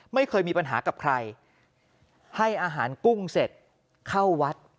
ไม่เคยมีปัญหากับใครให้อาหารกุ้งเสร็จเข้าวัด